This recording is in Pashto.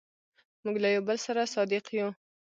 موږ له یو بل سره صادق یو.